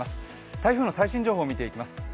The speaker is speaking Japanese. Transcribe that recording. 台風の最新情報を見ていきます。